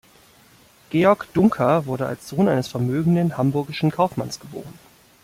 Georg Duncker wurde als Sohn eines vermögenden hamburgischen Kaufmanns geboren.